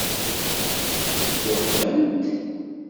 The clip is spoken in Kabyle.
Luqben-t.